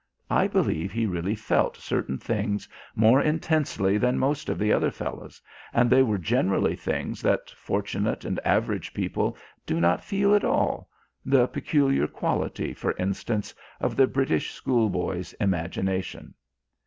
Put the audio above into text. I believe he really felt certain things more intensely than most of the other fellows, and they were generally things that fortunate and average people do not feel at all the peculiar quality, for instance, of the British schoolboy's imagination.